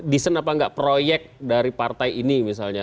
desain apa enggak proyek dari partai ini misalnya